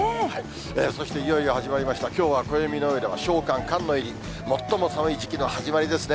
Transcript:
そしていよいよ始まりました、きょうは暦の上では小寒、寒の入り、最も寒い時期の始まりですね。